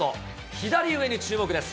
左上に注目です。